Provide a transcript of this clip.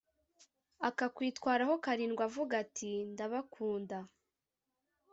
akakwitwaraho karindwi avuga ati ndabakunda